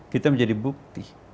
kita menjadi bukti